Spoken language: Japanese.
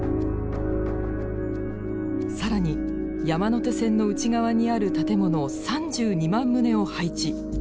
更に山手線の内側にある建物３２万棟を配置。